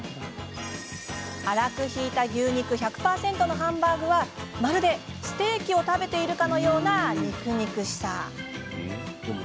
粗くひいた牛肉１００％のハンバーグはまるでステーキを食べているかのような肉肉しさ。